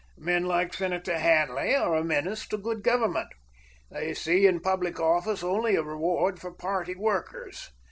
Men like Senator Hanley are a menace to good government. They see in public office only a reward for party workers."